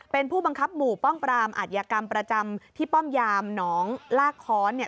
เป็นผู้บังคับหมู่ป้องปรามอัธยกรรมประจำที่ป้อมยามหนองลากค้อน